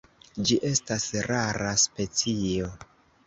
Ĝi estas rara specio.